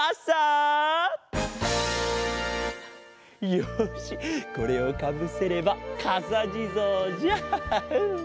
よしこれをかぶせればかさじぞうじゃ。